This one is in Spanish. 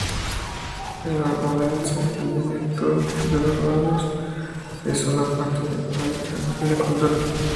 El barbadense, o dialecto de Barbados es una parte icónica de la cultura.